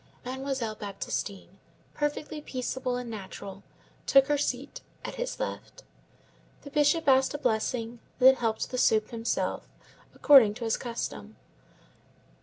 Mademoiselle Baptistine, perfectly peaceable and natural, took her seat at his left. The Bishop asked a blessing; then helped the soup himself, according to his custom.